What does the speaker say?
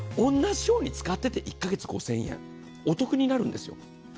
同じように使ってて１カ月５０００円お得になるんですよ。